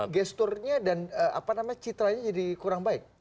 justru gesturnya dan apa namanya citranya jadi kurang baik